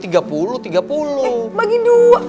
eh bagi dua